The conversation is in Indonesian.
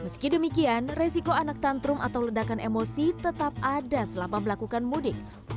meski demikian resiko anak tantrum atau ledakan emosi tetap ada selama melakukan mudik